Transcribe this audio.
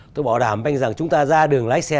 tôi bảo đảm anh rằng chúng ta ra đường lái xe